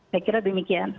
saya kira demikian